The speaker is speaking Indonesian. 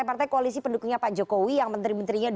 baik suara saya terdengar ya